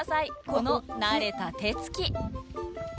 この慣れた手つき